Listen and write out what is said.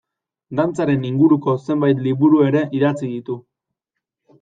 Dantzaren inguruko zenbait liburu ere idatzi ditu.